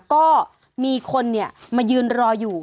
ก็มีคนมายืนรออยู่